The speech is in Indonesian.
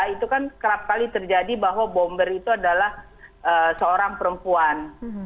itu kan kerap kali terjadi bahwa bomber itu adalah seorang perempuan